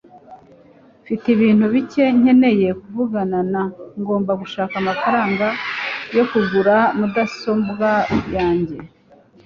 Mfite ibintu bike nkeneye kuvugana na . Ngomba gushaka amafaranga yo kugura mudasobwa yanjye.